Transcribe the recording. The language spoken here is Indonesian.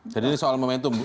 jadi ini soal momentum